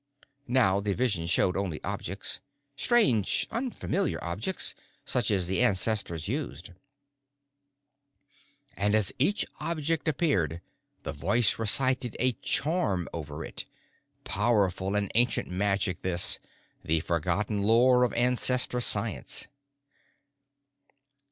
Now the vision showed only objects. Strange, unfamiliar objects such as the ancestors used. And as each object appeared, the voice recited a charm over it. Powerful and ancient magic this, the forgotten lore of Ancestor Science.